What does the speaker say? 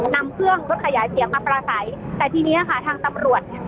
นำเครื่องรถขยายเสียงมาประสัยแต่ทีเนี้ยค่ะทางตำรวจเนี่ย